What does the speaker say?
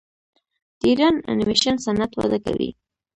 د ایران انیمیشن صنعت وده کوي.